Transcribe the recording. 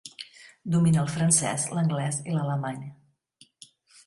Domina el francès, l'anglès i l'alemany.